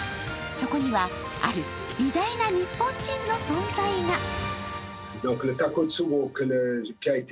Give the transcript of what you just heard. そこには、ある偉大な日本人の存在が。